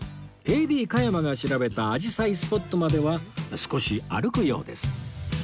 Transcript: ＡＤ 加山が調べた紫陽花スポットまでは少し歩くようです